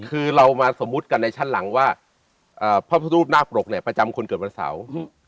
คือเรามาสมมุติกันในชั้นหลังว่าพระพุทธรูปนาคปรกเนี่ยประจำคนเกิดวันเสาร์